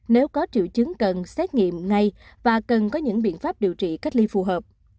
nếu có triệu chứng cần xét nghiệm ngay và cần có những biện pháp điều trị cách ly phù hợp